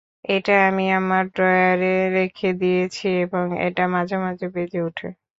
এটা আমি আমার ড্রয়ারে রেখে দিয়েছি এবং এটা মাঝে মাঝে বেজে ওঠে।